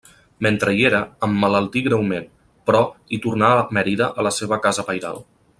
Mentre hi era, emmalaltí greument, però, i tornà a Mérida a la seva casa pairal.